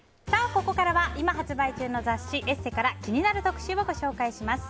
ここからは今、発売中の雑誌「ＥＳＳＥ」から気になる特集をご紹介します。